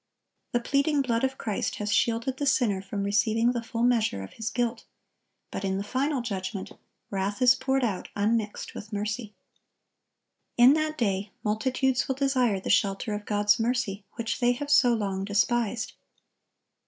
The pleading blood of Christ has shielded the sinner from receiving the full measure of his guilt; but in the final judgment, wrath is poured out unmixed with mercy. In that day, multitudes will desire the shelter of God's mercy which they have so long despised.